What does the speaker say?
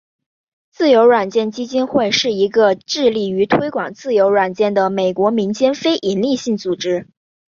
自由软件基金会是一个致力于推广自由软件的美国民间非营利性组织。